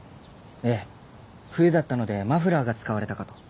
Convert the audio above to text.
ええ冬だったのでマフラーが使われたかと。